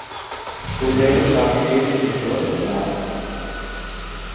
ফুলের পাপড়ির ভেতর লাল।